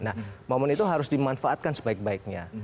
nah momen itu harus dimanfaatkan sebaik baiknya